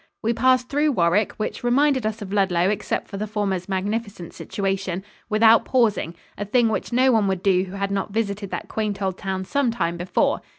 We passed through Warwick which reminded us of Ludlow except for the former's magnificent situation without pausing, a thing which no one would do who had not visited that quaint old town some time before.